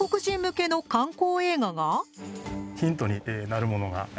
ヒントになるものがあります。